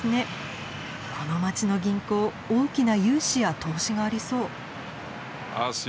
この街の銀行大きな融資や投資がありそう。